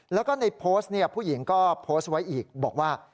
แล้วก็ในโพสต์ผู้หญิงก็โพสต์ไว้อีกบอกว่า